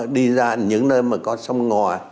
đi ra những nơi mà có sông ngò